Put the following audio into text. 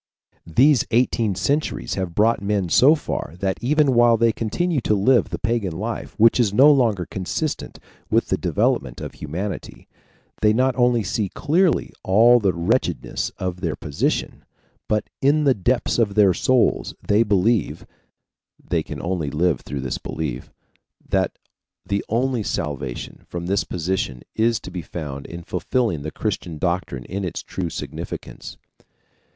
These eighteen centuries have brought men so far that even while they continue to live the pagan life which is no longer consistent with the development of humanity, they not only see clearly all the wretchedness of their position, but in the depths of their souls they believe (they can only live through this belief) that the only salvation from this position is to be found in fulfilling the Christian doctrine in its true significance.